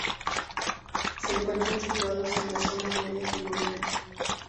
Se encuentran situados en la zona media de Noruega.